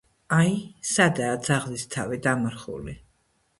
აი, სადაა ძაღლის თავი დამარხული